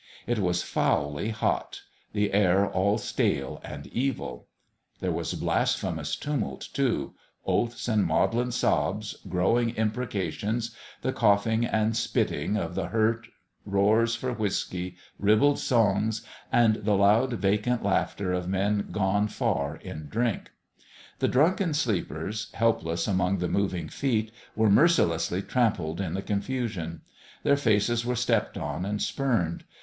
It was foully hot the air all stale and evil. There was blasphe mous tumult, too oaths and maudlin sobs, growling imprecations, the coughing and spit ting of the hurt, roars for whiskey, ribald songs, and the loud, vacant laughter of men gone far 304 A MIRACLE at PALE PETER'S in drink. The drunken sleepers, helpless among the moving feet, were mercilessly trampled in the confusion. Their faces were stepped on and spurned.